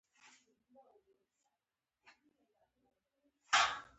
د سنت دورې پوهنو پیداوار دي.